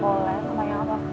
boleh tanya apa